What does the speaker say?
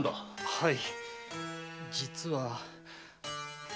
はい。